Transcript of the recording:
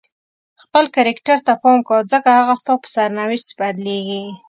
خپل کرکټر ته پام کوه ځکه هغه ستا په سرنوشت بدلیږي.